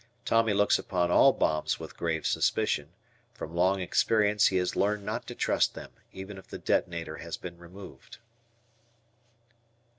Tommy looks upon all bombs with grave suspicion; from long experience he has learned not to trust them, even if the detonator has been removed.